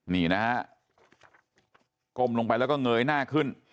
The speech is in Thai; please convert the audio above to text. นี่นะฮะก้มลงไปแล้วก็เงยหน้าขึ้น